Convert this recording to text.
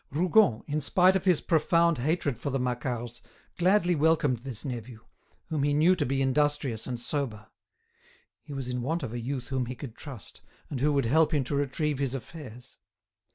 Rougon, in spite of his profound hatred for the Macquarts, gladly welcomed this nephew, whom he knew to be industrious and sober. He was in want of a youth whom he could trust, and who would help him to retrieve his affairs.